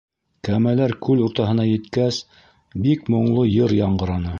Кәмәләр күл уртаһына еткәс, бик моңло йыр яңғыраны.